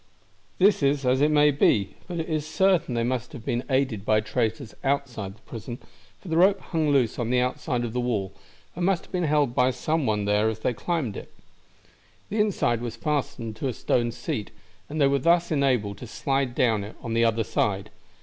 "This is as it may be, but it is certain they must have been aided by traitors outside the prison, for the rope hung loose on the outside of the wall, and must have been held by some one there as they climbed it. The inside end was fastened to a stone seat, and they were thus enabled to slide down it on the other side.